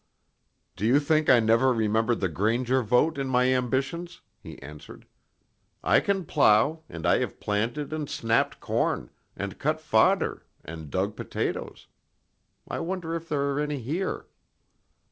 "Do you think I never remembered the granger vote in my ambitions?" he answered. "I can plow, and I have planted and snapped corn, and cut fodder, and dug potatoes I wonder if there are any here?"